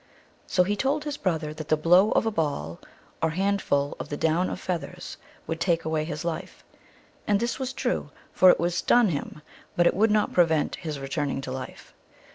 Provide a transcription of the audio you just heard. So he told his brother that the blow of a ball, or handful of the down of feath ers, would take away his life ; and this was true, for it would stun him, but it would not prevent his re turning to life.